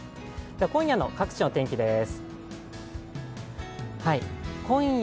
今夜の各地の天気です。